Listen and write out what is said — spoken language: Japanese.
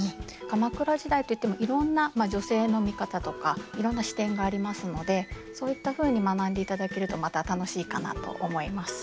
鎌倉時代といってもいろんな女性の見方とかいろんな視点がありますのでそういったふうに学んでいただけるとまた楽しいかなと思います。